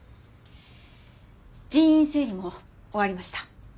人員整理も終わりました。